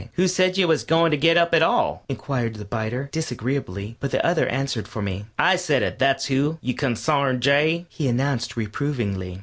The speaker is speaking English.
"Who said you was goin' to get up at all?" inquired the biter, disagreeably, but the other answered for me. "I said it, that's who, you consarned jay," he announced, reprovingly.